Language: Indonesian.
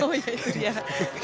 oh iya itu dia